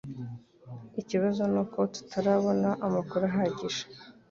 Ikibazo nuko tutarabona amakuru ahagije.